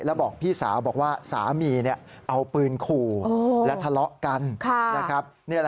แล้วบอกพี่สาวบอกว่าสามีเอาปืนขู่และทะเลาะกันนะครับ